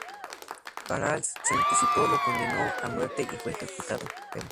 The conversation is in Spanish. Harald se anticipó, lo condenó a muerte y fue ejecutado.